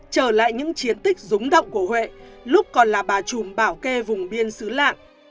trở lại những chiến tích rúng động của huệ lúc còn là bà trùm bảo kê vùng biên xứ lạng